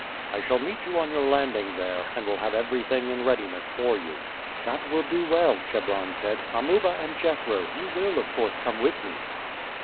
I shall meet you on your landing there, and will have everything in readiness for you." "That will do well," Chebron said. "Amuba and Jethro, you will, of course, come with me."